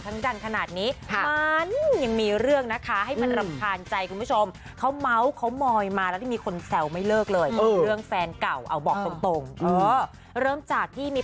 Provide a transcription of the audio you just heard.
ต่อให้จะประคมแต่งตัวให้ดูแพงอย่างไรก็คงสวยสู้รุ่นน้องไม่ได้